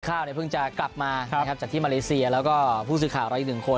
ข้าวเนี่ยเพิ่งจะกลับมานะครับจากที่มาเลเซียแล้วก็ผู้สื่อข่าวเราอีกหนึ่งคน